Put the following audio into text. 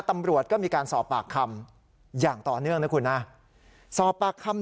ตำรวจก็มีการสอบปากคำ